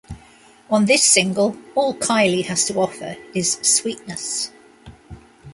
On this single, all Kylie has to offer is sweetness.